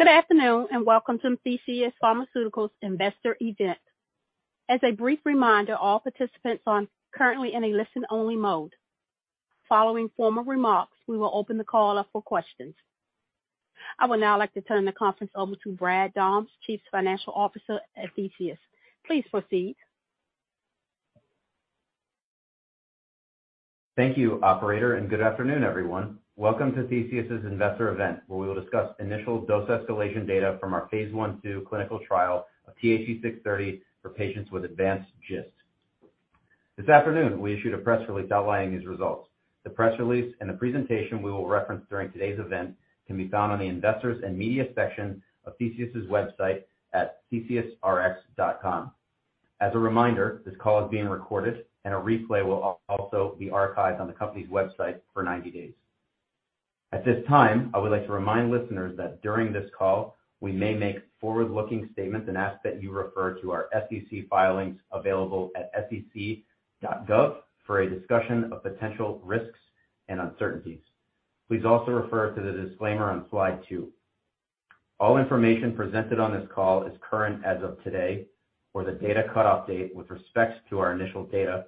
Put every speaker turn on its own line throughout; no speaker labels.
Good afternoon, welcome to Theseus Pharmaceuticals Investor Event. As a brief reminder, all participants are currently in a listen-only mode. Following formal remarks, we will open the call up for questions. I would now like to turn the conference over to Brad Dahms, Chief Financial Officer at Theseus. Please proceed.
Thank you, operator. Good afternoon, everyone. Welcome to Theseus's Investor Event, where we will discuss initial dose escalation data from our phase I/II clinical trial of THE-630 for patients with advanced GIST. This afternoon, we issued a press release outlining these results. The press release and the presentation we will reference during today's event can be found on the Investors and Media section of Theseus's website at theseusrx.com. As a reminder, this call is being recorded, and a replay will also be archived on the company's website for 90 days. At this time, I would like to remind listeners that during this call, we may make forward-looking statements and ask that you refer to our SEC filings available at sec.gov for a discussion of potential risks and uncertainties. Please also refer to the disclaimer on Slide 2. All information presented on this call is current as of today or the data cut-off date with respects to our initial data.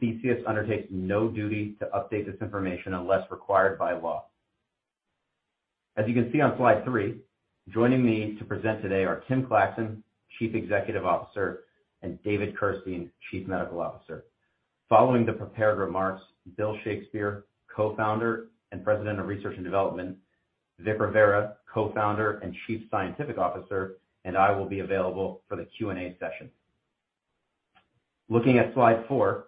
Theseus undertakes no duty to update this information unless required by law. As you can see on Slide 3, joining me to present today are Tim Clackson, Chief Executive Officer, and David Kerstein, Chief Medical Officer. Following the prepared remarks, William Shakespeare, Co-founder and President of Research and Development, Victor Rivera, Co-founder and Chief Scientific Officer, and I will be available for the Q&A session. Looking at Slide 4,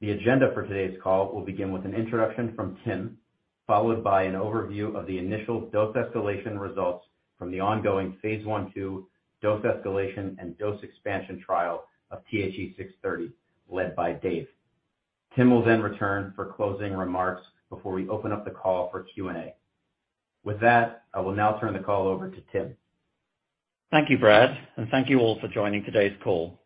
the agenda for today's call will begin with an introduction from Tim, followed by an overview of the initial dose escalation results from the ongoing phase I/II dose escalation and dose expansion trial of THE-630, led by Dave. Tim will then return for closing remarks before we open up the call for Q&A. With that, I will now turn the call over to Tim.
Thank you, Brad. Thank you all for joining today's call.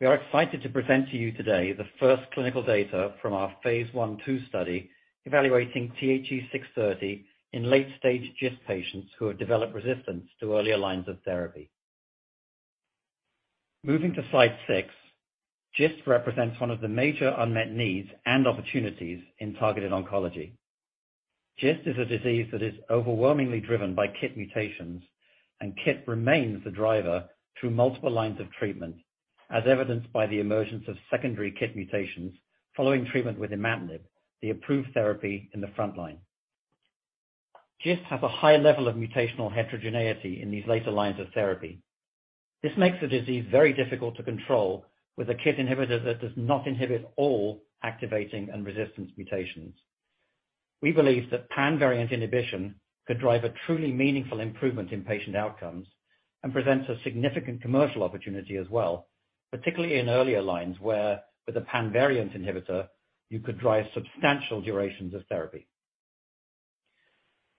We are excited to present to you today the first clinical data from our phase I/II study, evaluating THE-630 in late-stage GIST patients who have developed resistance to earlier lines of therapy. Moving to Slide 6, GIST represents one of the major unmet needs and opportunities in targeted oncology. GIST is a disease that is overwhelmingly driven by KIT mutations, and KIT remains the driver through multiple lines of treatment, as evidenced by the emergence of secondary KIT mutations following treatment with imatinib, the approved therapy in the frontline. GIST has a high level of mutational heterogeneity in these later lines of therapy. This makes the disease very difficult to control with a KIT inhibitor that does not inhibit all activating and resistance mutations. We believe that pan-variant inhibition could drive a truly meaningful improvement in patient outcomes and presents a significant commercial opportunity as well, particularly in earlier lines, where with a pan-variant inhibitor, you could drive substantial durations of therapy.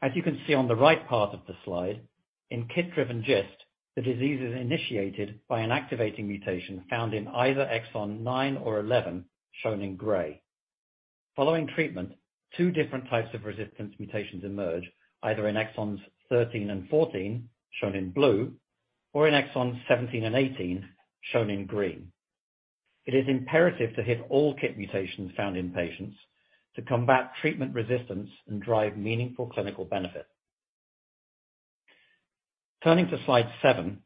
As you can see on the right part of the slide, in KIT-driven GIST, the disease is initiated by an activating mutation found in either exon 9 or 11, shown in gray. Following treatment, two different types of resistance mutations emerge, either in exons 13 and 14, shown in blue, or in exons 17 and 18, shown in green. It is imperative to hit all KIT mutations found in patients to combat treatment resistance and drive meaningful clinical benefit. Turning to Slide 7,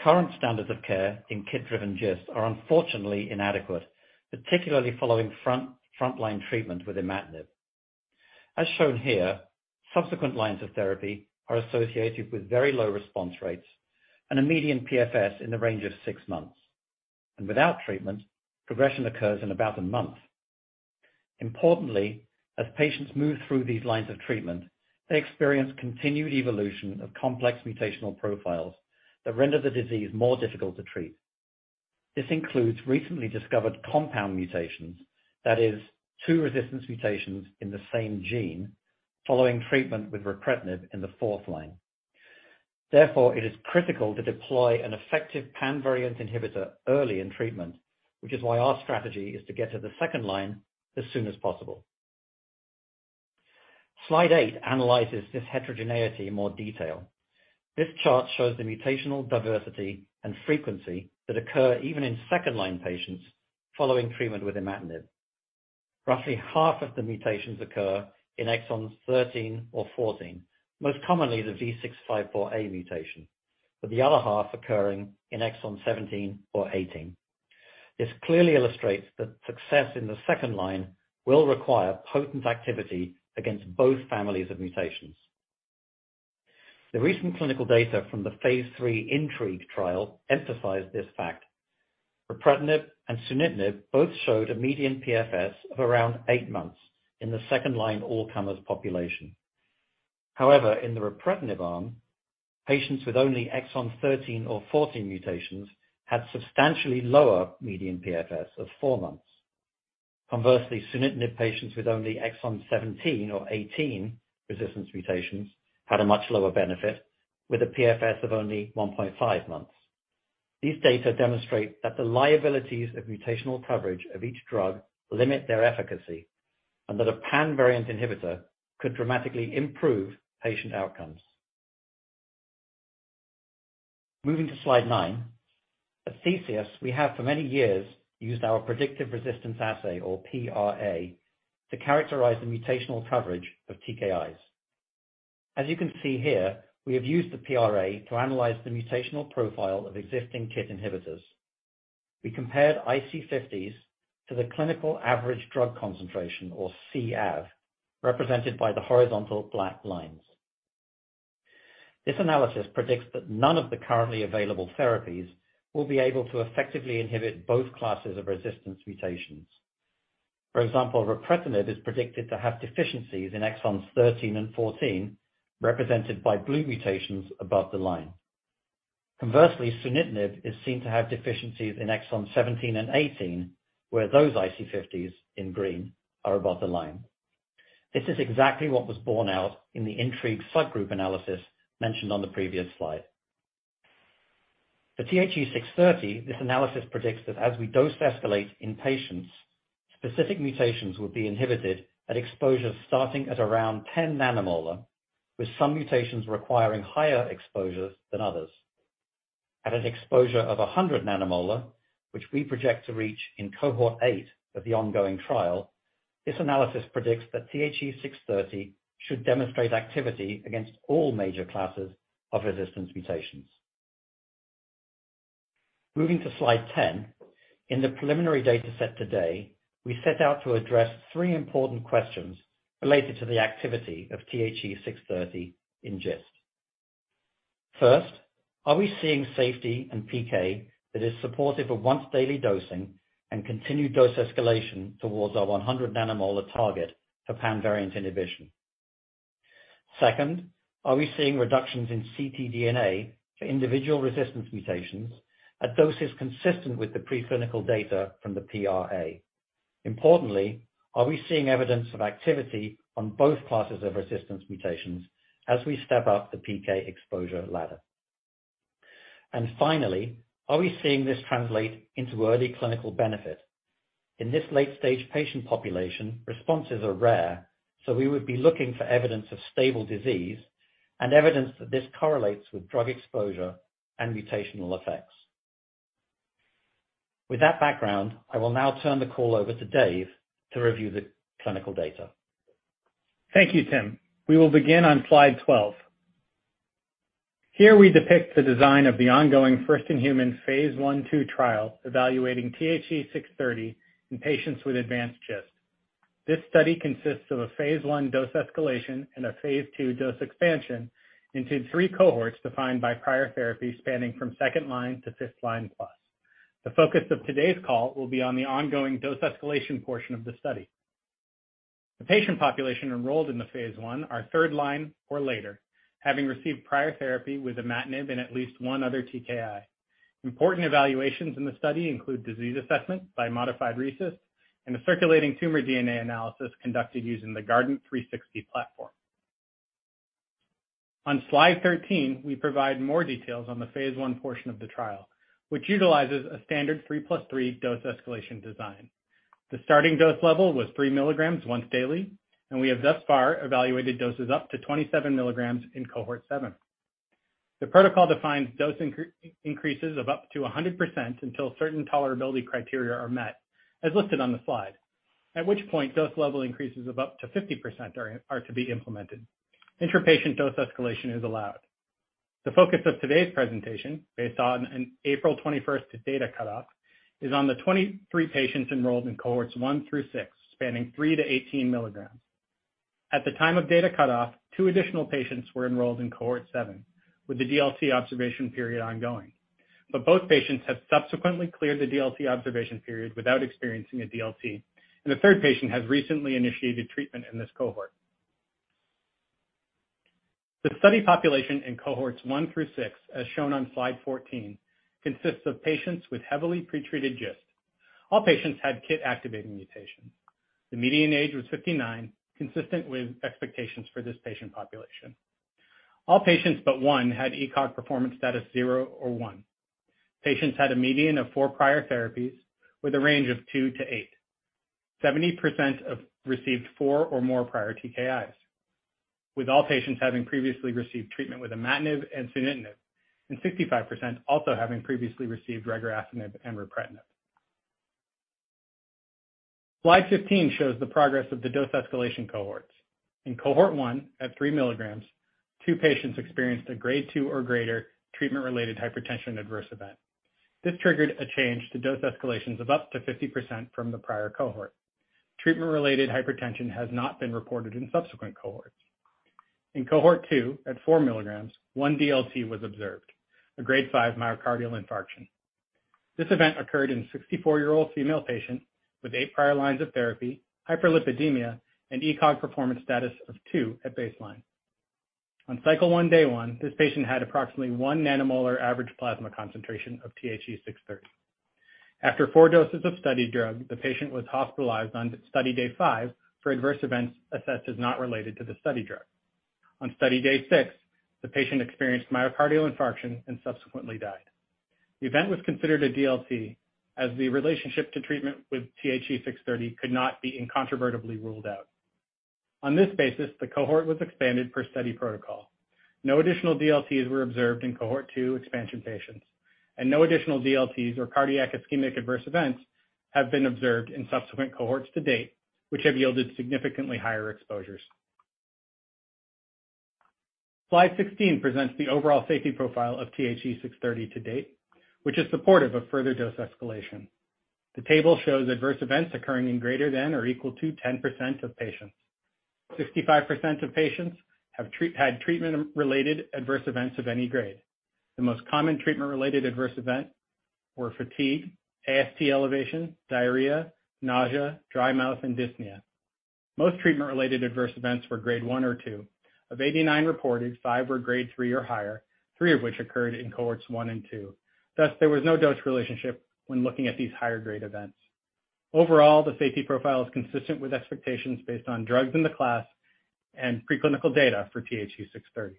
current standards of care in KIT-driven GIST are unfortunately inadequate, particularly following frontline treatment with imatinib. As shown here, subsequent lines of therapy are associated with very low response rates and a median PFS in the range of six months. Without treatment, progression occurs in about one month. Importantly, as patients move through these lines of treatment, they experience continued evolution of complex mutational profiles that render the disease more difficult to treat. This includes recently discovered compound mutations, that is, two resistance mutations in the same gene following treatment with ripretinib in the fourth line. Therefore, it is critical to deploy an effective pan-variant inhibitor early in treatment, which is why our strategy is to get to the second line as soon as possible. Slide 8 analyzes this heterogeneity in more detail. This chart shows the mutational diversity and frequency that occur even in second-line patients following treatment with imatinib. Roughly half of the mutations occur in exons 13 or 14, most commonly the V654A mutation, with the other half occurring in exon 17 or 18. This clearly illustrates that success in the second line will require potent activity against both families of mutations. The recent clinical data from the phase III INTRIGUE trial emphasized this fact. ripretinib and sunitinib both showed a median PFS of around eight months in the second-line all-comers population. However, in the ripretinib arm, patients with only exon 13 or 14 mutations had substantially lower median PFS of four months. Conversely, sunitinib patients with only exon 17 or 18 resistance mutations had a much lower benefit, with a PFS of only 1.5 months. These data demonstrate that the liabilities of mutational coverage of each drug limit their efficacy, and that a pan-variant inhibitor could dramatically improve patient outcomes. Moving to Slide 9. At Theseus, we have for many years used our predictive resistance assay, or PRA, to characterize the mutational coverage of TKIs. As you can see here, we have used the PRA to analyze the mutational profile of existing KIT inhibitors. We compared IC50s to the clinical average drug concentration, or Cavg, represented by the horizontal black lines. This analysis predicts that none of the currently available therapies will be able to effectively inhibit both classes of resistance mutations. For example, ripretinib is predicted to have deficiencies in exons 13 and 14, represented by blue mutations above the line. Conversely, sunitinib is seen to have deficiencies in exons 17 and 18, where those IC50s, in green, are above the line. This is exactly what was borne out in the intrigue subgroup analysis mentioned on the previous slide. For THE-630, this analysis predicts that as we dose escalate in patients, specific mutations will be inhibited at exposures starting at around 10 nanomolar, with some mutations requiring higher exposures than others. At an exposure of 100 nanomolar, which we project to reach in cohort 8 of the ongoing trial, this analysis predicts that THE-630 should demonstrate activity against all major classes of resistance mutations. Moving to Slide 10. In the preliminary data set today, we set out to address three important questions related to the activity of THE-630 in GIST. First, are we seeing safety and PK that is supportive of once-daily dosing and continued dose escalation towards our 100 nanomolar target for pan-variant inhibition? Second, are we seeing reductions in ctDNA for individual resistance mutations at doses consistent with the preclinical data from the PRA? Importantly, are we seeing evidence of activity on both classes of resistance mutations as we step up the PK exposure ladder? Finally, are we seeing this translate into early clinical benefit? In this late-stage patient population, responses are rare, so we would be looking for evidence of stable disease and evidence that this correlates with drug exposure and mutational effects. With that background, I will now turn the call over to Dave to review the clinical data.
Thank you, Tim. We will begin on Slide 12. Here, we depict the design of the ongoing first-in-human phase I/II trial, evaluating THE-630 in patients with advanced GIST. This study consists of a phase I dose escalation and a phase II dose expansion into three cohorts defined by prior therapy, spanning from 2nd line to 5th line plus. The focus of today's call will be on the ongoing dose escalation portion of the study. The patient population enrolled in the phase I are 3rd line or later, having received prior therapy with imatinib and at least one other TKI. Important evaluations in the study include disease assessment by modified RECIST and a circulating tumor DNA analysis conducted using the Guardant360 platform. On Slide 13, we provide more details on the phase I portion of the trial, which utilizes a standard 3+3 dose-escalation design. The starting dose level was 3 milligrams once daily, and we have thus far evaluated doses up to 27 milligrams in cohort 7. The protocol defines dose increases of up to 100% until certain tolerability criteria are met, as listed on the slide, at which point dose level increases of up to 50% are to be implemented. Interpatient dose escalation is allowed. The focus of today's presentation, based on an April 21st data cutoff, is on the 23 patients enrolled in cohorts 1 through 6, spanning 3 milligrams to 18 milligrams. At the time of data cutoff, two additional patients were enrolled in cohort 7, with the DLT observation period ongoing. Both patients have subsequently cleared the DLT observation period without experiencing a DLT, and a third patient has recently initiated treatment in this cohort. The study population in cohorts 1 through 6, as shown on Slide 14, consists of patients with heavily pretreated GIST. All patients had KIT-activating mutation. The median age was 59, consistent with expectations for this patient population. All patients, but one, had ECOG performance status 0 or 1. Patients had a median of four prior therapies, with a range of 2% to 8. 70% of received four or more prior TKIs, with all patients having previously received treatment with imatinib and sunitinib, and 65% also having previously received regorafenib and ripretinib. Slide 15 shows the progress of the dose escalation cohorts. In cohort 1, at 3 milligrams, two patients experienced a Grade 2 or greater treatment-related hypertension adverse event. This triggered a change to dose escalations of up to 50% from the prior cohort. Treatment-related hypertension has not been reported in subsequent cohorts. In cohort 2, at 4 milligrams, 1 DLT was observed, a Grade 5 myocardial infarction. This event occurred in a 64-year-old female patient with 8 prior lines of therapy, hyperlipidemia, and ECOG performance status of 2 at baseline. On cycle 1, day 1, this patient had approximately 1 nanomolar average plasma concentration of THE-630. After four doses of study drug, the patient was hospitalized on study day 5 for adverse events assessed as not related to the study drug. On study day 6, the patient experienced myocardial infarction and subsequently died. The event was considered a DLT, as the relationship to treatment with THE-630 could not be incontrovertibly ruled out. On this basis, the cohort was expanded per study protocol. No additional DLTs were observed in cohort 2 expansion patients, and no additional DLTs or cardiac ischemic adverse events have been observed in subsequent cohorts to date, which have yielded significantly higher exposures. Slide 16 presents the overall safety profile of THE-630 to date, which is supportive of further dose escalation. The table shows adverse events occurring in greater than or equal to 10% of patients. 65% of patients have had treatment-related adverse events of any grade. The most common treatment-related adverse event were fatigue, AST elevation, diarrhea, nausea, dry mouth, and dyspnea. Most treatment-related adverse events were grade 1 or 2. Of 89 reported, five were grade 3 or higher, three of which occurred in cohorts 1 and 2. There was no dose relationship when looking at these higher grade events. Overall, the safety profile is consistent with expectations based on drugs in the class and preclinical data for THE-630.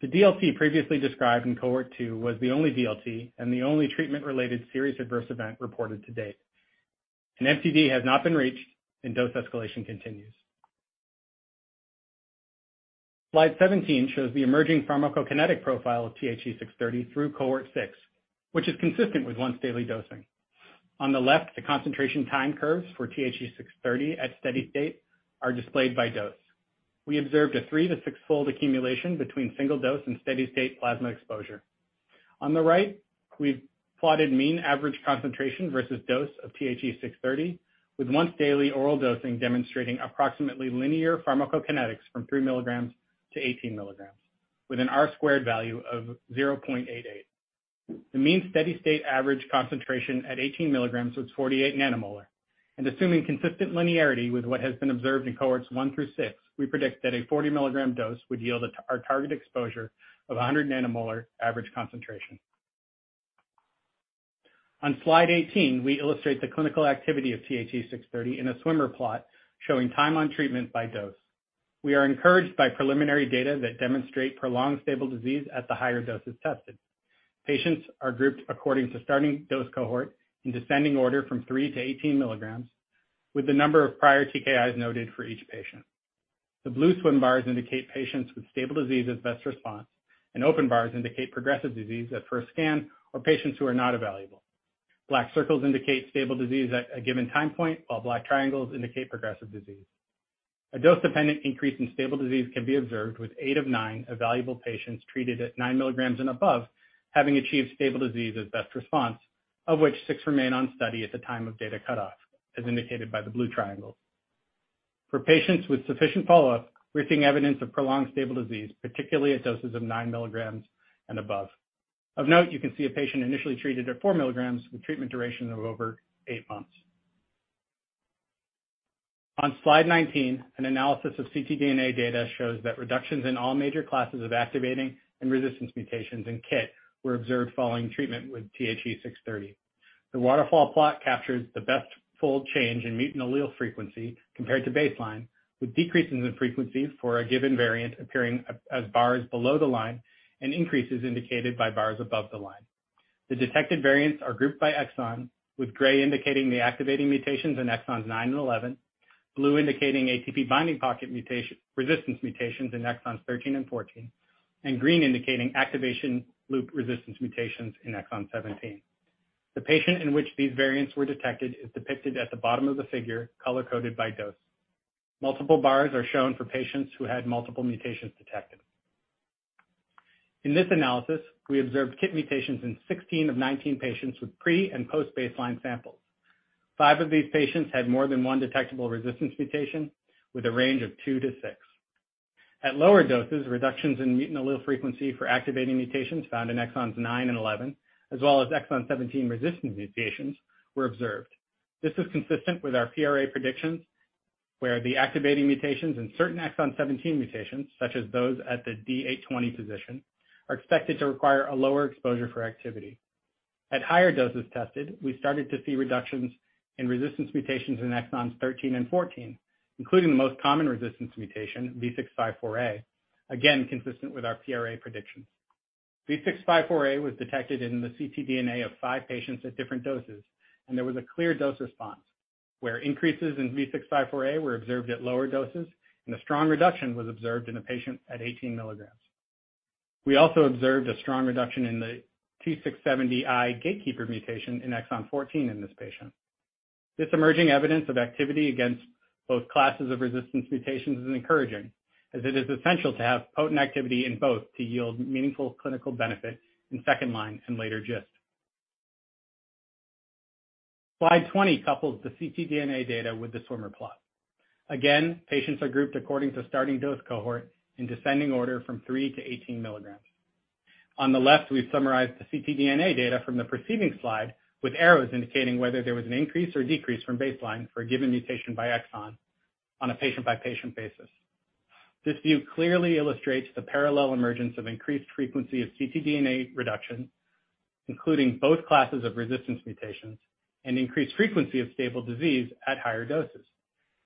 The DLT previously described in cohort 2 was the only DLT and the only treatment-related serious adverse event reported to date. An MTD has not been reached, and dose escalation continues. Slide 17 shows the emerging pharmacokinetic profile of THE-630 through cohort 6, which is consistent with once daily dosing. On the left, the concentration time curves for THE-630 at steady state are displayed by dose. We observed a 3-fold to 6-fold accumulation between single dose and steady state plasma exposure. On the right, we've plotted mean average concentration versus dose of THE-630, with once daily oral dosing demonstrating approximately linear pharmacokinetics from 3 milligrams to 18 milligrams, with an R squared value of 0.88. The mean steady state average concentration at 18 milligrams was 48 nanomolar. Assuming consistent linearity with what has been observed in cohorts 1 through 6, we predict that a 40 milligram dose would yield our target exposure of a 100 nanomolar average concentration. On Slide 18, we illustrate the clinical activity of THE-630 in a swimmer plot showing time on treatment by dose. We are encouraged by preliminary data that demonstrate prolonged stable disease at the higher doses tested. Patients are grouped according to starting dose cohort in descending order from 3 milligrams to 18 milligrams, with the number of prior TKIs noted for each patient. The blue swim bars indicate patients with stable disease as best response, and open bars indicate progressive disease at first scan or patients who are not evaluable. Black circles indicate stable disease at a given time point, while black triangles indicate progressive disease. A dose-dependent increase in stable disease can be observed, with eight of nine evaluable patients treated at 9 milligrams and above, having achieved stable disease as best response, of which six remain on study at the time of data cutoff, as indicated by the blue triangle. For patients with sufficient follow-up, we're seeing evidence of prolonged stable disease, particularly at doses of 9 milligrams and above. Of note, you can see a patient initially treated at 4 milligrams with treatment duration of over eight months. On Slide 19, an analysis of ctDNA data shows that reductions in all major classes of activating and resistance mutations in KIT were observed following treatment with THE-630. The waterfall plot captures the best full change in mutant allele frequency compared to baseline, with decreases in frequency for a given variant appearing as bars below the line and increases indicated by bars above the line. The detected variants are grouped by exon, with gray indicating the activating mutations in exons 9 and 11, blue indicating ATP binding pocket resistance mutations in exons 13 and 14, and green indicating activation loop resistance mutations in exon 17. The patient in which these variants were detected is depicted at the bottom of the figure, color-coded by dose. Multiple bars are shown for patients who had multiple mutations detected. In this analysis, we observed KIT mutations in 16 of 19 patients with pre- and post-baseline samples. Five of these patients had more than one detectable resistance mutation, with a range of 2 to 6. At lower doses, reductions in mutant allele frequency for activating mutations found in exons 9 and 11, as well as exon 17 resistance mutations, were observed. This is consistent with our PRA predictions, where the activating mutations and certain exon 17 mutations, such as those at the D820 position, are expected to require a lower exposure for activity. At higher doses tested, we started to see reductions in resistance mutations in exons 13 and 14, including the most common resistance mutation, V654A, again, consistent with our PRA predictions. V654A was detected in the ctDNA of five patients at different doses, and there was a clear dose response, where increases in V654A were observed at lower doses, and a strong reduction was observed in a patient at 18 milligrams. We also observed a strong reduction in the T670I gatekeeper mutation in exon 14 in this patient. This emerging evidence of activity against both classes of resistance mutations is encouraging, as it is essential to have potent activity in both to yield meaningful clinical benefit in second-line and later GIST. Slide 20 couples the ctDNA data with the swimmer plot. Patients are grouped according to starting dose cohort in descending order from 3 milligrams to 18 milligrams. On the left, we've summarized the ctDNA data from the preceding slide, with arrows indicating whether there was an increase or decrease from baseline for a given mutation by exon on a patient-by-patient basis. This view clearly illustrates the parallel emergence of increased frequency of ctDNA reduction, including both classes of resistance mutations and increased frequency of stable disease at higher doses.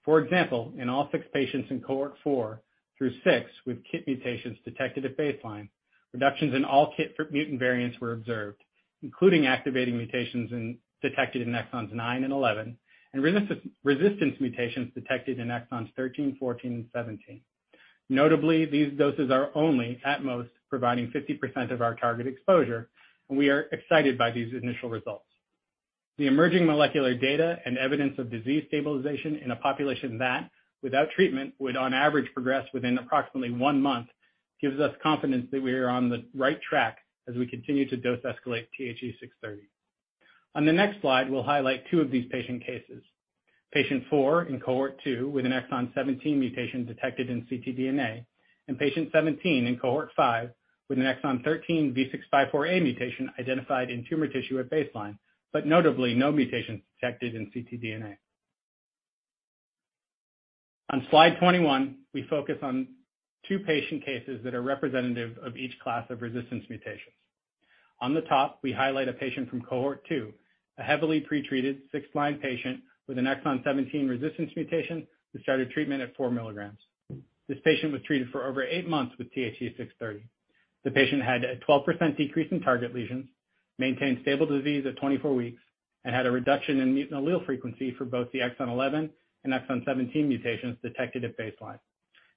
For example, in all six patients in cohort four through six, with KIT mutations detected at baseline, reductions in all KIT mutant variants were observed, including activating mutations in, detected in exons 9 and 11, and resistance mutations detected in exons 13, 14, and 17. Notably, these doses are only at most providing 50% of our target exposure. We are excited by these initial results. The emerging molecular data and evidence of disease stabilization in a population that, without treatment, would on average progress within approximately one month, gives us confidence that we are on the right track as we continue to dose escalate THE-630. On the next slide, we'll highlight two of these patient cases. Patient 4 in cohort 2, with an exon 17 mutation detected in ctDNA, and patient 17 in cohort 5, with an exon 13 V654A mutation identified in tumor tissue at baseline, but notably no mutations detected in ctDNA. On slide 21, we focus on two patient cases that are representative of each class of resistance mutations. On the top, we highlight a patient from cohort 2, a heavily pretreated, 6th-line patient with an exon 17 resistance mutation, who started treatment at 4 milligrams. This patient was treated for over eight months with THE-630. The patient had a 12% decrease in target lesions, maintained stable disease at 24 weeks, and had a reduction in mutant allele frequency for both the exon 11 and exon 17 mutations detected at baseline.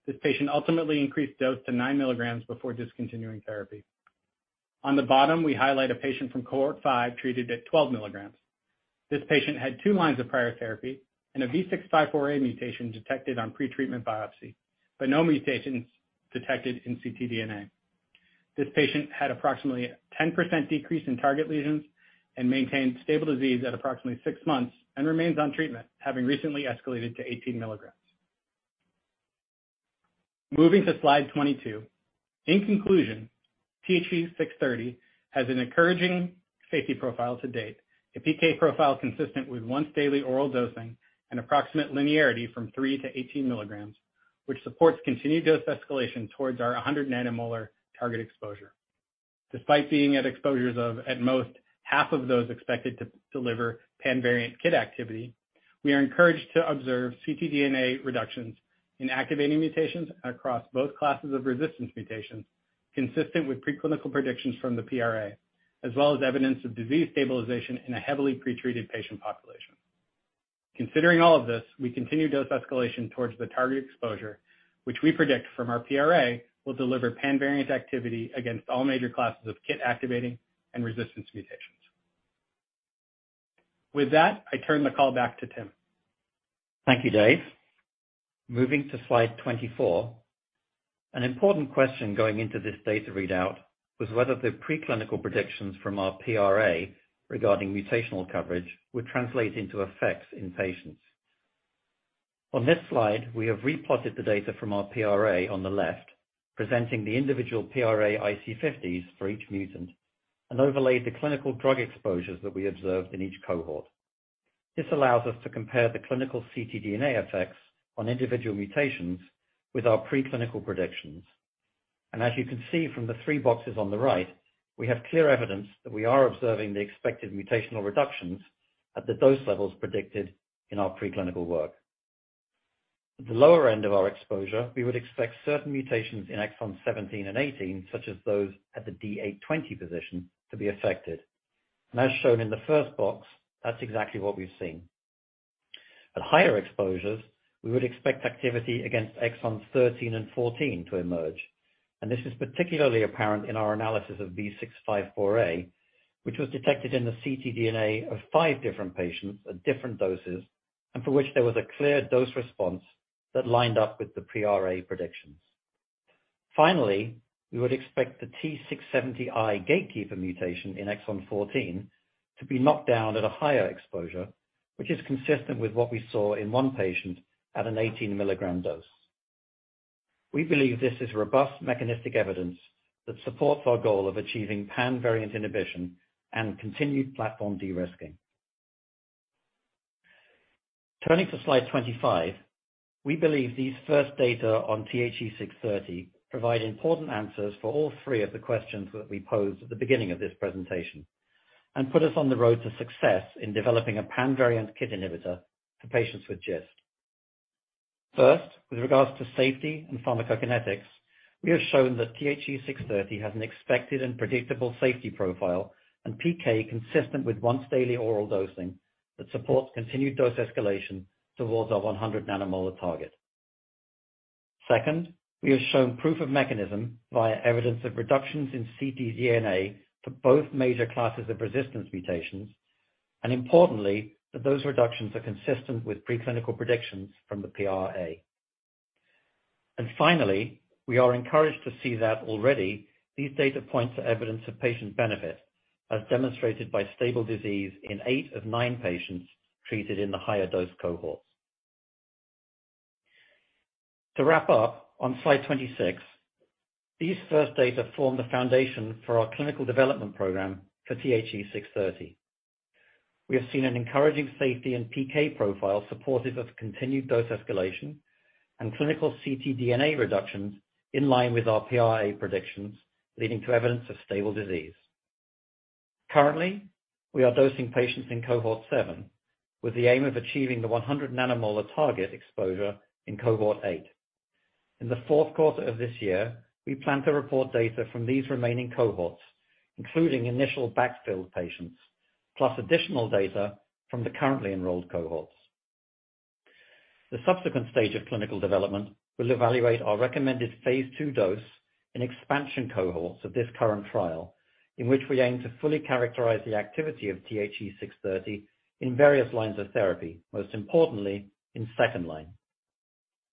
This patient ultimately increased dose to 9 milligrams before discontinuing therapy. On the bottom, we highlight a patient from cohort 5, treated at 12 milligrams. This patient had two lines of prior therapy and a V654A mutation detected on pre-treatment biopsy, but no mutations detected in ctDNA. This patient had approximately a 10% decrease in target lesions and maintained stable disease at approximately six months and remains on treatment, having recently escalated to 18 milligrams. Moving to slide 22. In conclusion, THE-630 has an encouraging safety profile to date. A PK profile consistent with once daily oral dosing and approximate linearity from 3 milligrams to 18 milligrams, which supports continued dose escalation towards our 100 nanomolar target exposure. Despite being at exposures of, at most, half of those expected to deliver pan-variant KIT activity, we are encouraged to observe ctDNA reductions in activating mutations across both classes of resistance mutations, consistent with preclinical predictions from the PRA, as well as evidence of disease stabilization in a heavily pretreated patient population. Considering all of this, we continue dose escalation towards the target exposure, which we predict from our PRA, will deliver pan-variant activity against all major classes of KIT activating and resistance mutations. With that, I turn the call back to Tim.
Thank you, Dave. Moving to slide 24. An important question going into this data readout was whether the preclinical predictions from our PRA regarding mutational coverage would translate into effects in patients. On this slide, we have replotted the data from our PRA on the left, presenting the individual PRA IC50s for each mutant and overlaid the clinical drug exposures that we observed in each cohort. This allows us to compare the clinical ctDNA effects on individual mutations with our preclinical predictions. As you can see from the three boxes on the right, we have clear evidence that we are observing the expected mutational reductions at the dose levels predicted in our preclinical work. At the lower end of our exposure, we would expect certain mutations in exons 17 and 18, such as those at the D820 position, to be affected. As shown in the first box, that's exactly what we've seen. At higher exposures, we would expect activity against exons 13 and 14 to emerge, and this is particularly apparent in our analysis of V654A, which was detected in the ctDNA of five different patients at different doses, and for which there was a clear dose response that lined up with the PRA predictions. Finally, we would expect the T670I gatekeeper mutation in exon 14 to be knocked down at a higher exposure, which is consistent with what we saw in one patient at an 18 mg dose. We believe this is robust mechanistic evidence that supports our goal of achieving pan-variant inhibition and continued platform de-risking. Turning to slide 25. We believe these first data on THE-630 provide important answers for all three of the questions that we posed at the beginning of this presentation, and put us on the road to success in developing a pan-variant KIT inhibitor for patients with GIST. First, with regards to safety and pharmacokinetics, we have shown that THE-630 has an expected and predictable safety profile, and PK consistent with once daily oral dosing that supports continued dose escalation towards our 100 nanomolar target. Second, we have shown proof of mechanism via evidence of reductions in ctDNA for both major classes of resistance mutations, and importantly, that those reductions are consistent with preclinical predictions from the PRA. Finally, we are encouraged to see that already, these data point to evidence of patient benefit, as demonstrated by stable disease in 8 of 9 patients treated in the higher dose cohorts. To wrap up, on slide 26, these first data form the foundation for our clinical development program for THE-630. We have seen an encouraging safety and PK profile supportive of continued dose escalation and clinical ctDNA reductions in line with our PRA predictions, leading to evidence of stable disease. Currently, we are dosing patients in cohort 7, with the aim of achieving the 100 nanomolar target exposure in cohort 8. In the fourth quarter of this year, we plan to report data from these remaining cohorts, including initial backfilled patients, plus additional data from the currently enrolled cohorts. The subsequent stage of clinical development will evaluate our recommended phase II dose in expansion cohorts of this current trial, in which we aim to fully characterize the activity of THE-630 in various lines of therapy, most importantly, in second-line.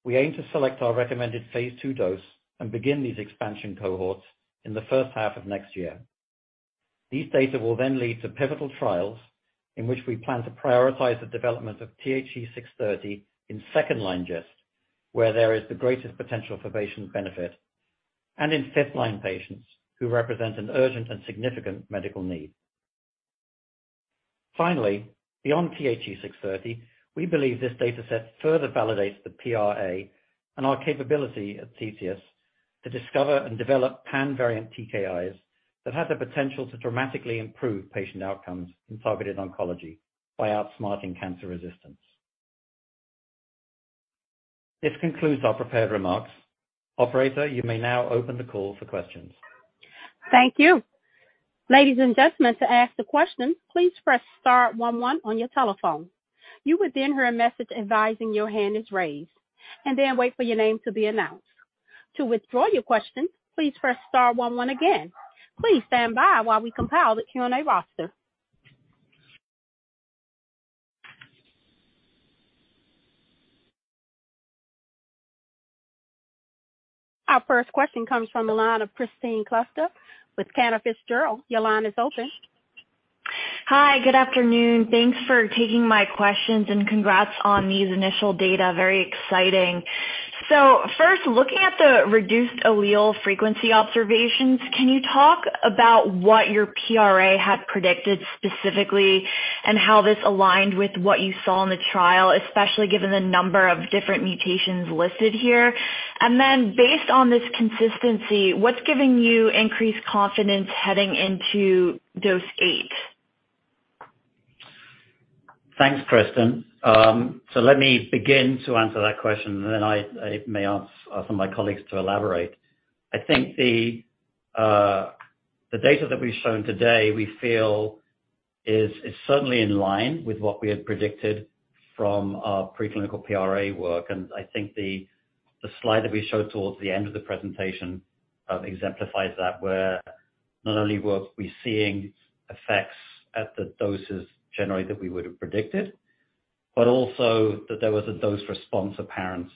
We aim to select our recommended phase II dose and begin these expansion cohorts in the first half of next year. These data will then lead to pivotal trials in which we plan to prioritize the development of THE-630 in second-line GIST, where there is the greatest potential for patient benefit, and in fifth-line patients, who represent an urgent and significant medical need. Beyond THE-630, we believe this data set further validates the PRA and our capability at Theseus to discover and develop pan-variant TKIs that have the potential to dramatically improve patient outcomes in targeted oncology by outsmarting cancer resistance. This concludes our prepared remarks. Operator, you may now open the call for questions.
Thank you. Ladies and gentlemen, to ask the questions, please press star one one on your telephone. You will then hear a message advising your hand is raised, and then wait for your name to be announced. To withdraw your question, please press star one one again. Please stand by while we compile the Q&A roster. Our first question comes from the line of Li Watsek with Cantor Fitzgerald. Your line is open.
Hi, good afternoon. Thanks for taking my questions and congrats on these initial data. Very exciting. First, looking at the reduced allele frequency observations, can you talk about what your PRA had predicted specifically and how this aligned with what you saw in the trial, especially given the number of different mutations listed here? Based on this consistency, what's giving you increased confidence heading into dose 8?
Thanks, Li. Let me begin to answer that question, and then I may ask some of my colleagues to elaborate. I think the data that we've shown today, we feel is certainly in line with what we had predicted from our preclinical PRA work. I think the slide that we showed towards the end of the presentation, exemplifies that, where not only were we seeing effects at the doses generally that we would have predicted, but also that there was a dose response apparent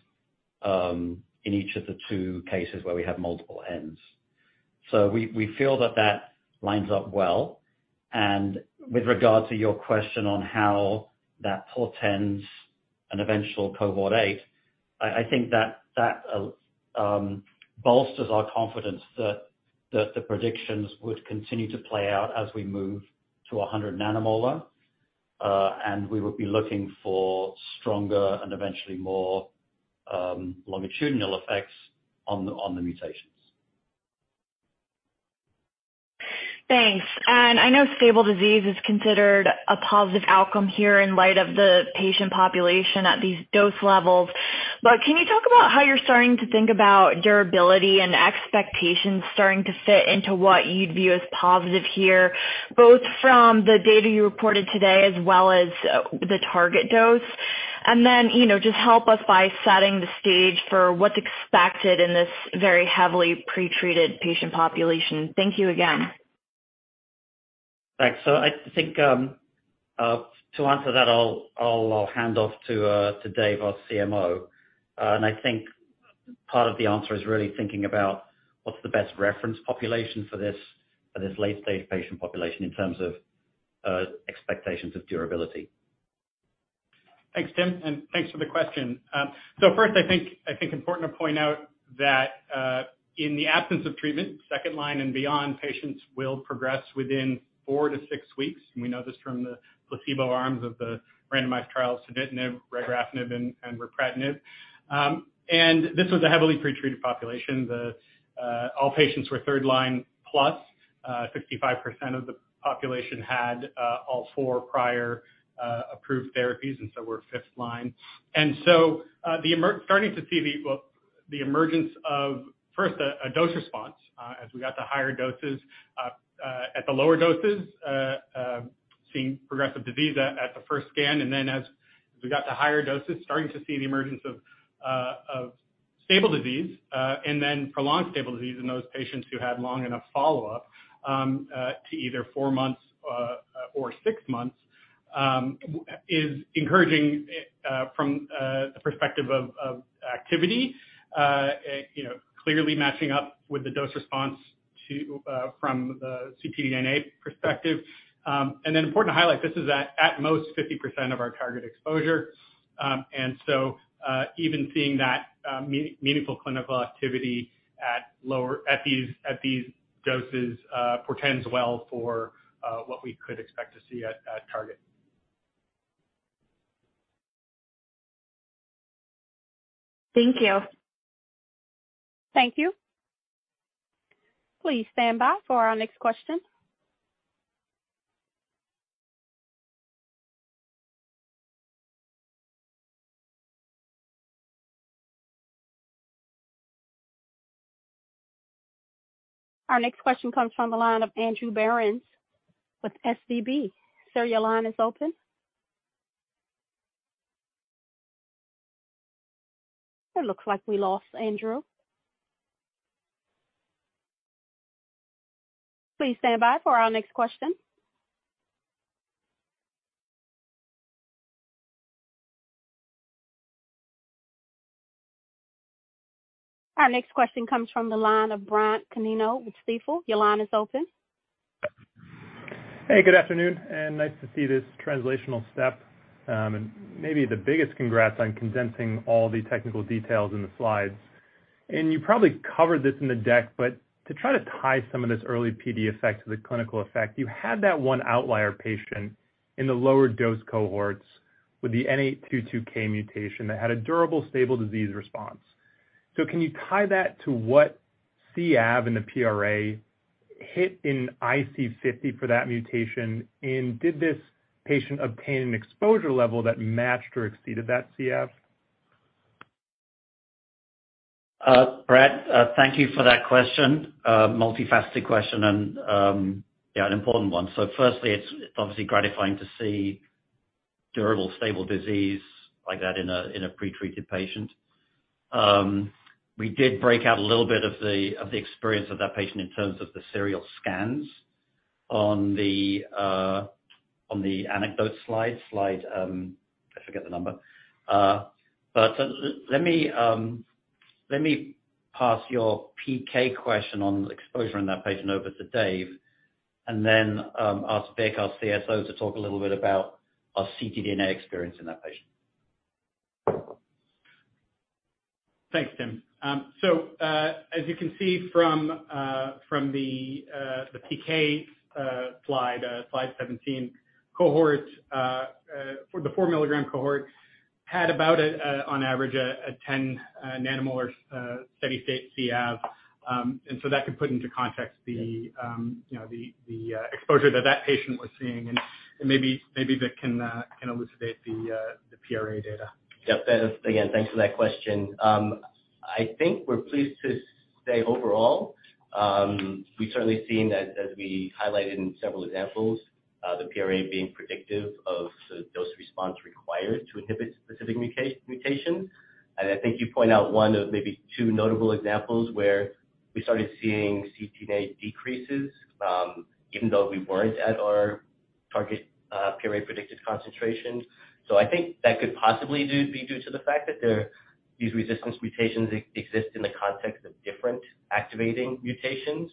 in each of the two cases where we have multiple ends. We feel that that lines up well. With regard to your question on how that portends an eventual cohort 8, I think that bolsters our confidence that the predictions would continue to play out as we move to 100 nanomolar, and we would be looking for stronger and eventually more longitudinal effects on the mutations.
Thanks. I know stable disease is considered a positive outcome here in light of the patient population at these dose levels, but can you talk about how you're starting to think about durability and expectations starting to fit into what you'd view as positive here, both from the data you reported today as well as the target dose? Then, you know, just help us by setting the stage for what's expected in this very heavily pretreated patient population. Thank you again.
Thanks. I think, to answer that, I'll hand off to Dave, our CMO. I think part of the answer is really thinking about what's the best reference population for this late-stage patient population in terms of expectations of durability.
Thanks, Tim, and thanks for the question. First, I think important to point out that, in the absence of treatment, second line and beyond, patients will progress within four weeks to six weeks. We know this from the placebo arms of the randomized trial, cabozantinib, regorafenib, and ripretinib. This was a heavily pretreated population. The all patients were third line plus, 65% of the population had all four prior approved therapies, were fifth line. Starting to see the, well, the emergence of, first, a dose response, as we got to higher doses, at the lower doses, seeing progressive disease at the first scan, and then as we got to higher doses, starting to see the emergence of stable disease, and then prolonged stable disease in those patients who had long enough follow-up, to either four months, or six months, is encouraging, from the perspective of activity, you know, clearly matching up with the dose response to, from the ctDNA perspective. Important to highlight, this is at most, 50% of our target exposure. Even seeing that, meaningful clinical activity. lower at these doses, portends well for, what we could expect to see at target.
Thank you.
Thank you. Please stand by for our next question. Our next question comes from the line of Andrew Berens with SVB. Sir, your line is open. It looks like we lost Andrew. Please stand by for our next question. Our next question comes from the line of Bradley Canino with Stifel. Your line is open.
Hey, good afternoon, and nice to see this translational step. Maybe the biggest congrats on condensing all the technical details in the slides. You probably covered this in the deck, but to try to tie some of this early PD effect to the clinical effect, you had that one outlier patient in the lower dose cohorts with the N822K mutation that had a durable stable disease response. Can you tie that to what Cavg in the PRA hit in IC50s for that mutation? Did this patient obtain an exposure level that matched or exceeded that Cavg?
Brad, thank you for that question. Multifaceted question and, an important one. Firstly, it's obviously gratifying to see durable, stable disease like that in a pretreated patient. We did break out a little bit of the experience of that patient in terms of the serial scans on the anecdote slide, I forget the number. But let me pass your PK question on the exposure in that patient over to Dave, and then ask Vic, our CSO, to talk a little bit about our ctDNA experience in that patient.
Thanks, Tim. As you can see from the PK slide 17 cohorts for the 4 milligram cohort, had about on average a 10 nanomolar steady-state C.av. That could put into context the, you know, the exposure that that patient was seeing, and maybe that can elucidate the PRA data.
Yep. Again, thanks for that question. I think we're pleased to say overall, we've certainly seen as we highlighted in several examples, the PRA being predictive of the dose response required to inhibit specific mutations. I think you point out one of maybe two notable examples where we started seeing ctDNA decreases, even though we weren't at our target, PRA-predicted concentration. I think that could possibly be due to the fact that these resistance mutations exist in the context of different activating mutations.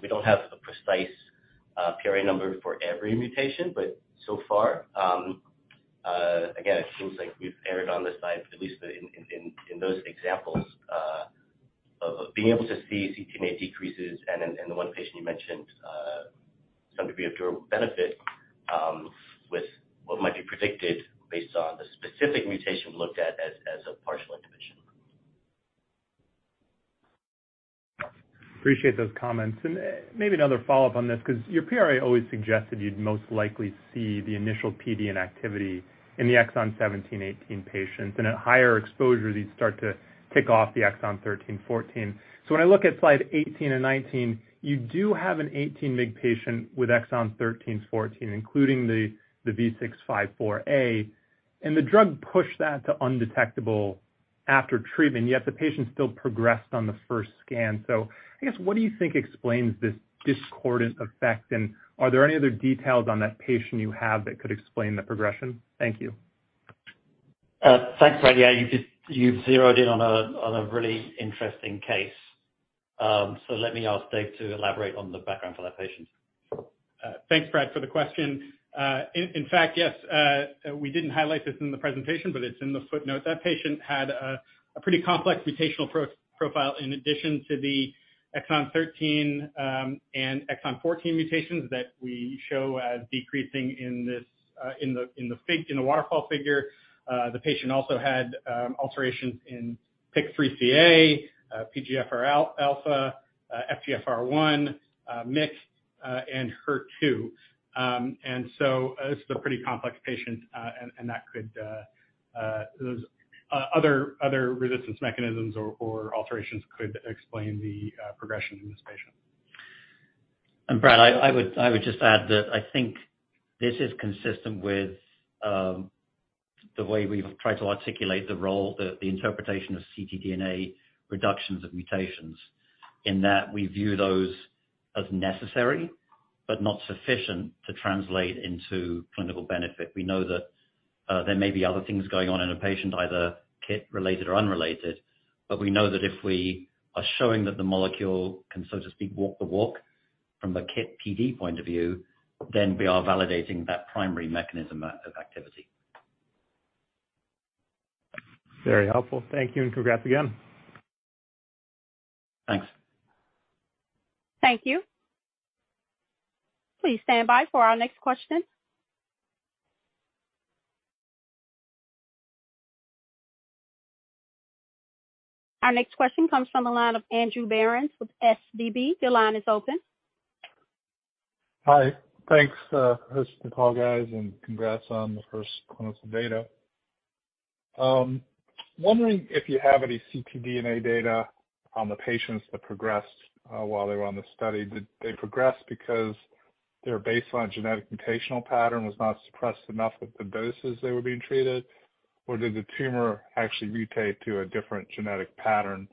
We don't have a precise PRA number for every mutation, but so far, again, it seems like we've erred on the side, at least in those examples, of being able to see ctDNA decreases and the one patient you mentioned, seem to be of durable benefit, with what might be predicted based on the specific mutation looked at as a partial inhibition.
Appreciate those comments. Maybe another follow-up on this, because your PRA always suggested you'd most likely see the initial PD and activity in the exon 17 and 18 patients, and at higher exposures, you'd start to kick off the exon 13 and 14. When I look at slide 18 and 19, you do have an 18 mg patient with exon 13 and 14, including the V654A, and the drug pushed that to undetectable after treatment, yet the patient still progressed on the first scan. I guess, what do you think explains this discordant effect? And are there any other details on that patient you have that could explain the progression? Thank you.
Thanks, Brad. Yeah, you've zeroed in on a really interesting case. Let me ask Dave to elaborate on the background for that patient.
Thanks, Brad, for the question. In fact, yes, we didn't highlight this in the presentation, but it's in the footnote. That patient had a pretty complex mutational profile. In addition to the exon 13 and exon 14 mutations that we show as decreasing in this, in the waterfall figure, the patient also had alterations in PIK3CA, PDGFRA, FGFR1, MYC, and HER2. This is a pretty complex patient, and those other resistance mechanisms or alterations could explain the progression in this patient.
Brad, I would just add that I think this is consistent with the way we've tried to articulate the role, the interpretation of ctDNA reductions of mutations, in that we view those as necessary, but not sufficient to translate into clinical benefit. We know that there may be other things going on in a patient, either KIT related or unrelated, but we know that if we are showing that the molecule can, so to speak, walk the walk from a KIT PD point of view, then we are validating that primary mechanism of activity.
Very helpful. Thank you, congrats again.
Thanks.
Thank you. Please stand by for our next question. Our next question comes from the line of Andrew Berens with SVB. Your line is open.
Hi. Thanks, thanks for the call, guys. Congrats on the first clinical data. Wondering if you have any ctDNA data on the patients that progressed while they were on the study. Did they progress because their baseline genetic mutational pattern was not suppressed enough with the doses they were being treated? Did the tumor actually mutate to a different genetic pattern?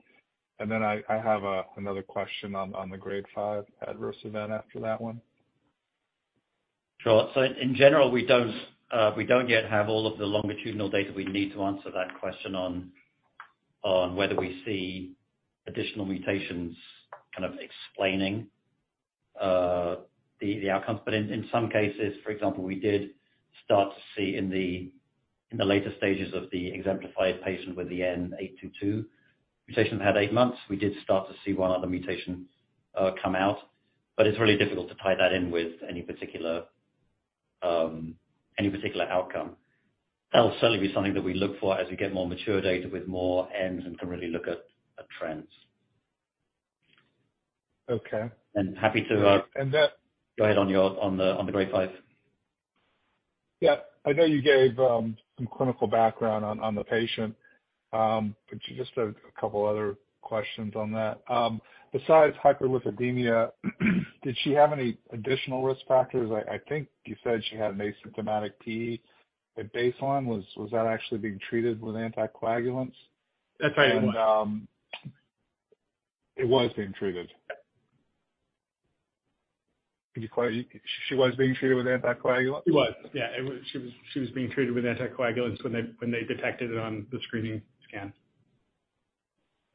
Then I have another question on the grade 5 adverse event after that one.
Sure. In general, we don't yet have all of the longitudinal data we need to answer that question on whether we see additional mutations kind of explaining the outcomes. In some cases, for example, we did start to see in the later stages of the exemplified patient with the N822 mutation, had 8 months, we did start to see 1 other mutation come out, but it's really difficult to tie that in with any particular outcome. That'll certainly be something that we look for as we get more mature data with more Ns and can really look at trends.
Okay.
happy to.
And, uh-
Go ahead on the grade five.
Yeah. I know you gave some clinical background on the patient, but just a couple other questions on that. Besides hyperlipidemia, did she have any additional risk factors? I think you said she had an asymptomatic PE at baseline. Was that actually being treated with anticoagulants?
That's right.
It was being treated?
Yep.
Could you clarify, she was being treated with anticoagulants?
She was, yeah. It was, she was being treated with anticoagulants when they detected it on the screening scan.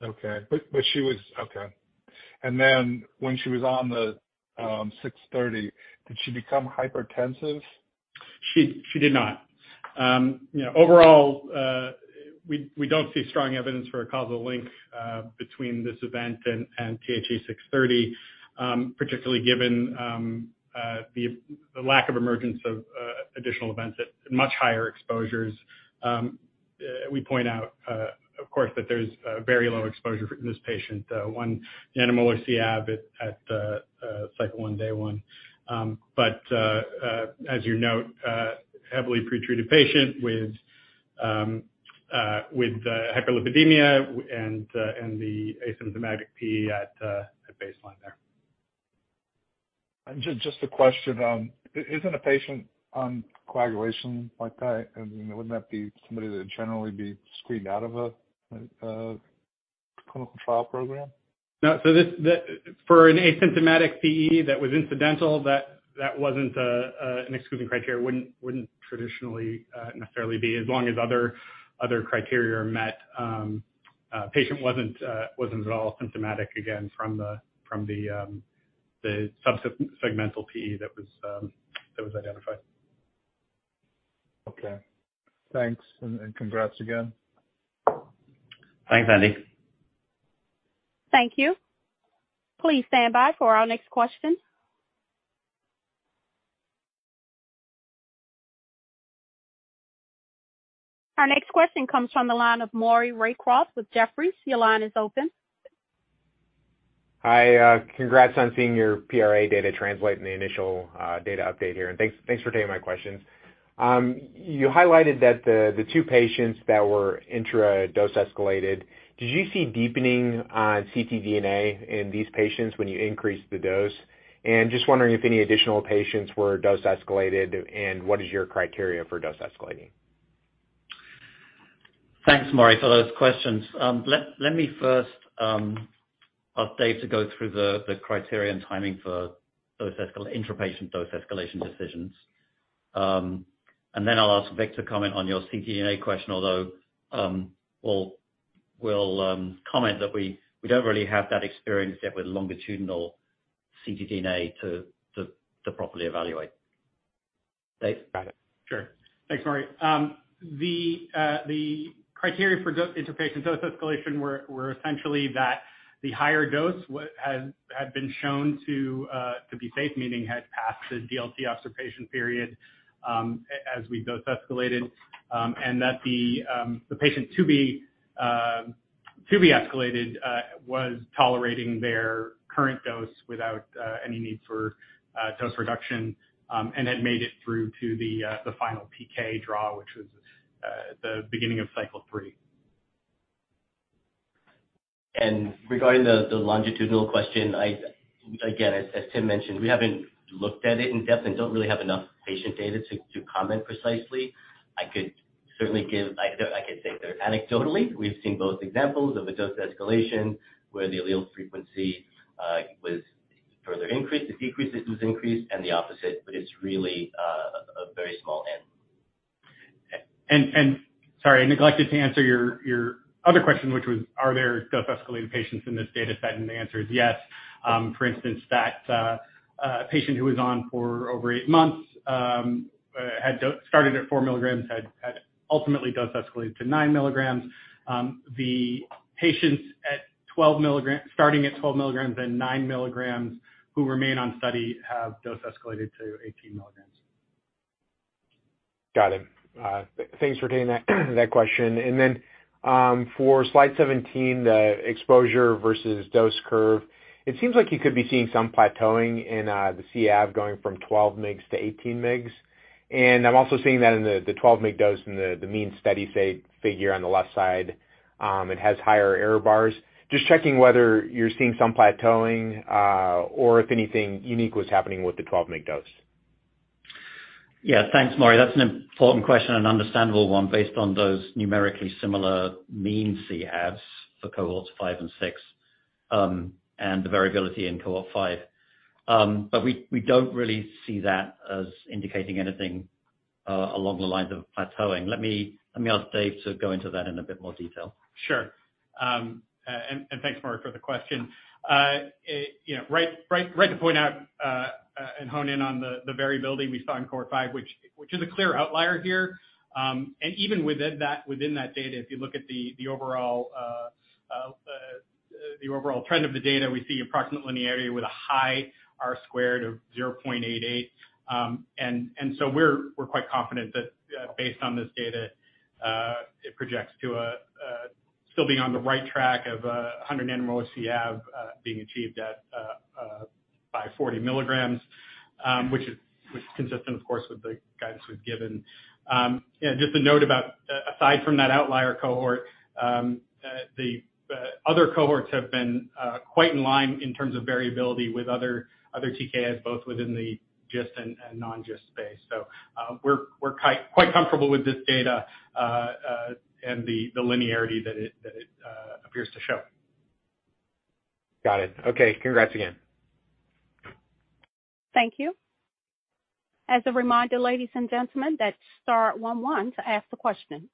Okay. Okay. Then when she was on THE-630, did she become hypertensive?
She did not. You know, overall, we don't see strong evidence for a causal link between this event and THE-630, particularly given the lack of emergence of additional events at much higher exposures. We point out, of course, that there's a very low exposure for this patient, 1, the anti-MI event at cycle 1, day 1. But as you note, heavily pre-treated patient with hyperlipidemia and the asymptomatic PE at baseline there.
Just a question, isn't a patient on coagulation like that, I mean, wouldn't that be somebody that would generally be screened out of a clinical trial program?
No, this, for an asymptomatic PE that was incidental, that wasn't an exclusion criteria, wouldn't traditionally necessarily be as long as other criteria are met. Patient wasn't at all symptomatic, again, from the subsequent segmental PE that was that was identified.
Okay. Thanks, and congrats again.
Thanks, Andy.
Thank you. Please stand by for our next question. Our next question comes from the line of Maury Raycroft with Jefferies. Your line is open.
Hi, congrats on seeing your PRA data translate in the initial data update here, and thanks for taking my questions. You highlighted that the two patients that were intra-dose escalated, did you see deepening on ctDNA in these patients when you increased the dose? Just wondering if any additional patients were dose escalated, and what is your criteria for dose escalating?
Thanks, Maury, for those questions. Let me first update to go through the criteria and timing for intrapatient dose escalation decisions. I'll ask Vic to comment on your ctDNA question, although, we'll comment that we don't really have that experience yet with longitudinal ctDNA to, to properly evaluate. Dave?
Got it. Sure. Thanks, Maury. The criteria for dose, intrapatient dose escalation were essentially that the higher dose had been shown to be safe, meaning had passed the DLT observation period, as we dose escalated, and that the patient to be escalated, was tolerating their current dose without any need for dose reduction, and then made it through to the final PK draw, which was the beginning of cycle three.
Regarding the longitudinal question, Again, as Tim mentioned, we haven't looked at it in depth and don't really have enough patient data to comment precisely. I could certainly say that anecdotally, we've seen both examples of a dose escalation where the allele frequency was further increased, it decreased, it was increased, and the opposite, but it's really a very small end.
Sorry, I neglected to answer your other question, which was, are there dose escalated patients in this data set? The answer is yes. For instance, that patient who was on for over eight months started at 4 milligrams, had ultimately dose escalated to 9 milligrams. The patients at 12 milligrams, starting at 12 milligrams and 9 milligrams, who remain on study, have dose escalated to 18 milligrams.
Got it. Thanks for taking that question. For slide 17, the exposure versus dose curve, it seems like you could be seeing some plateauing in the Cavg going from 12 mg to 18 mg. I'm also seeing that in the 12 mg dose in the mean steady figure on the left side, it has higher error bars. Just checking whether you're seeing some plateauing or if anything unique was happening with the 12 mg dose.
Yeah. Thanks, Maury. That's an important question and understandable one based on those numerically similar mean Cavg for cohorts 5 and 6, and the variability in cohort 5. We, we don't really see that as indicating anything along the lines of plateauing. Let me, let me ask Dave to go into that in a bit more detail.
Sure. Thanks, Maury, for the question. You know, right to point out and hone in on the variability we saw in cohort five, which is a clear outlier here. Even within that data, if you look at the overall trend of the data, we see approximate linearity with a high R squared of 0.88. So we're quite confident that based on this data, it projects to still being on the right track of 100 nanomole Cavg being achieved at by 40 milligrams, which is consistent, of course, with the guidance we've given. Yeah, just a note about aside from that outlier cohort, the other cohorts have been quite in line in terms of variability with other TKIs, both within the GIST and non-GIST space. We're quite comfortable with this data and the linearity that it appears to show.
Got it. Okay. Congrats again.
Thank you. As a reminder, ladies and gentlemen, that's star one one to ask the question.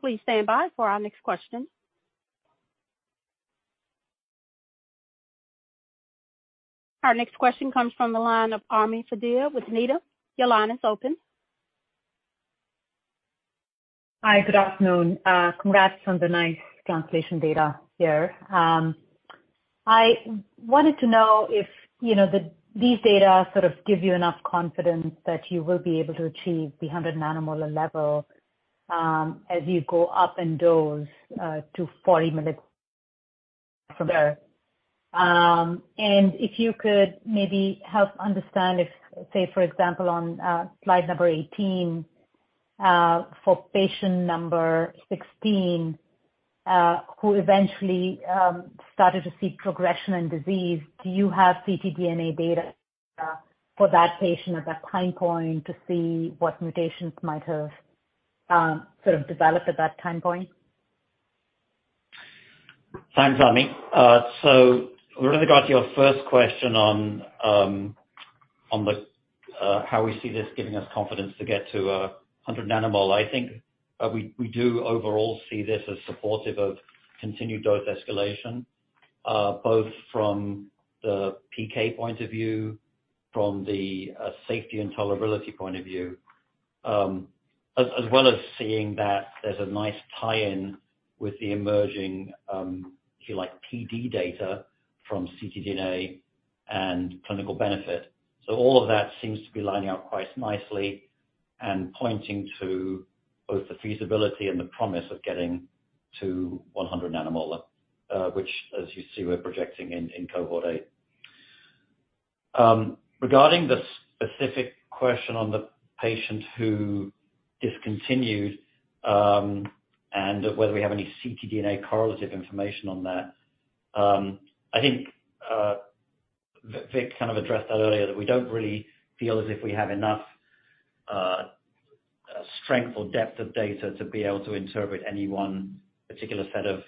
Please stand by for our next question. Our next question comes from the line of Ami Fadia with Needham & Company. Your line is open.
Hi, good afternoon. Congrats on the nice translation data here. I wanted to know if, you know, these data sort of give you enough confidence that you will be able to achieve the 100 nanomolar level, as you go up in dose, to 40 milligram from there. If you could maybe help understand if, say, for example, on slide number 18, for patient number 16, who eventually started to see progression in disease, do you have ctDNA data for that patient at that time point, to see what mutations might have sort of developed at that time point?
Thanks, Ami. Regarding your first question on the how we see this giving us confidence to get to 100 nanomole, I think we do overall see this as supportive of continued dose escalation. Both from the PK point of view, from the safety and tolerability point of view, as well as seeing that there's a nice tie-in with the emerging, if you like, PD data from ctDNA and clinical benefit. All of that seems to be lining up quite nicely and pointing to both the feasibility and the promise of getting to 100 nanomole, which, as you see, we're projecting in cohort A.
Regarding the specific question on the patient who discontinued, and whether we have any ctDNA correlative information on that, I think Vic kind of addressed that earlier, that we don't really feel as if we have enough strength or depth of data to be able to interpret any one particular set of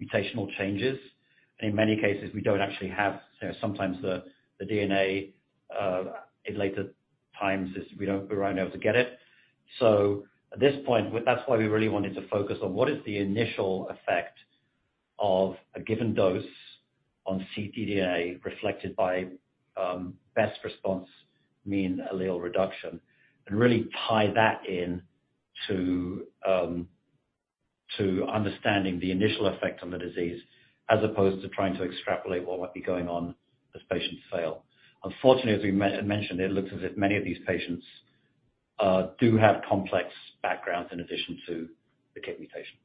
mutational changes. In many cases, we don't actually have, you know, sometimes the DNA, in later times, is we don't, we weren't able to get it. At this point, that's why we really wanted to focus on what is the initial effect of a given dose on ctDNA, reflected by best response mean allele reduction, and really tie that in to understanding the initial effect on the disease, as opposed to trying to extrapolate what might be going on as patients fail. Unfortunately, as we mentioned, it looks as if many of these patients do have complex backgrounds in addition to the KIT mutation.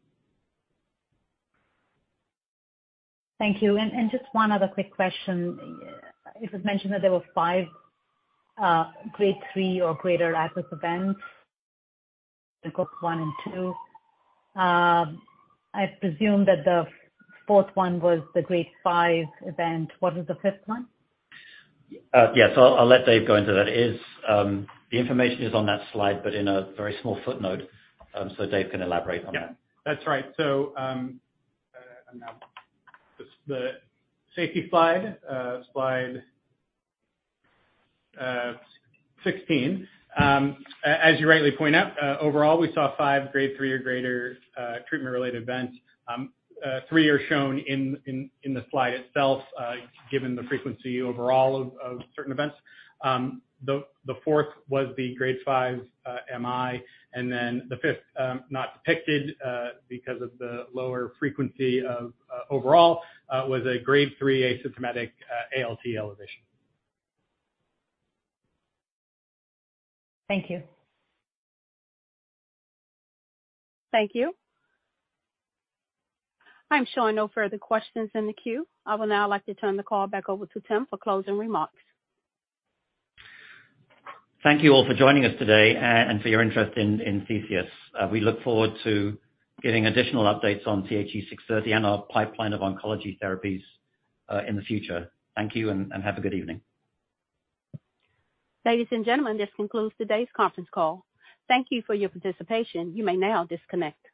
Thank you. Just one other quick question. It was mentioned that there were five grade 3 or greater adverse events in groups 1 and 2. I presume that the fourth one was the grade 5 event. What was the fifth one?
Yes, I'll let Dave go into that. It is, the information is on that slide, but in a very small footnote. Dave can elaborate on that.
Yeah. That's right. I'm now... The safety slide 16. As you rightly point out, overall, we saw 5 grade 3 or greater treatment-related events. Three are shown in the slide itself, given the frequency overall of certain events. The 4th was the grade 5 MI, and then the 5th, not depicted because of the lower frequency of overall, was a grade 3 asymptomatic ALT elevation.
Thank you.
Thank you. I'm showing no further questions in the queue. I will now like to turn the call back over to Tim for closing remarks.
Thank you all for joining us today and for your interest in Theseus. We look forward to giving additional updates on THE-630 and our pipeline of oncology therapies in the future. Thank you, and have a good evening.
Ladies and gentlemen, this concludes today's conference call. Thank you for your participation. You may now disconnect.